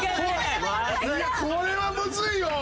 いやこれはむずいよ。